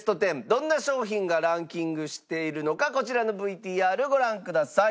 どんな商品がランキングしているのかこちらのＶＴＲご覧ください。